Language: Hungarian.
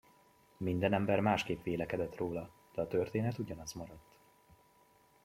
Minden ember másképp vélekedett róla, de a történet ugyanaz maradt.